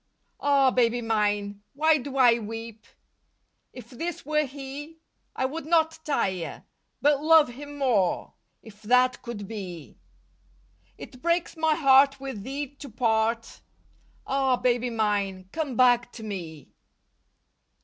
'' Ah, baby mine, why do I weep. If this were he I would not tire, but lovo him more If that could be. It breaks my heart with thee to part, Ah, baby mine, come back to me.